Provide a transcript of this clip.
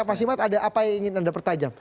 mas imad ada apa yang ingin anda pertajam